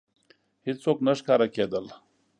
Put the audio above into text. هېڅوک نه ښکاره کېدل.